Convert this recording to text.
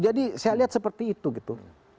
jadi saya lihat seperti itu gitu